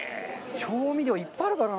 調味料いっぱいあるからな。